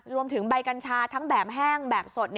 รวมถึงใบกัญชาทั้งแบบแห้งแบบสด